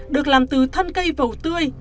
được làm từ thân cây vầu tươi